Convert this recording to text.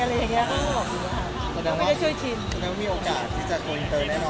เราก็อยากส่ง